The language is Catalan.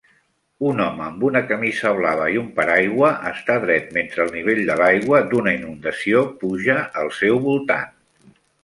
Un home amb una camisa blava i un paraigua està dret mentre el nivell de l'aigua d'una inundació puja al seu voltant.